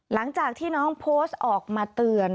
หลังจากที่น้องโพสต์ออกมาเตือน